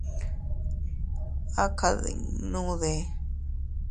¿A kadinnuudee?.